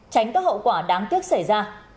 tránh các hậu quả đáng tiếc xảy ra